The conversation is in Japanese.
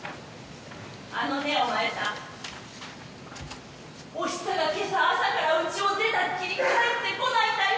「あのねお前さんお久が今朝朝から家を出たっきり帰ってこないんだよ」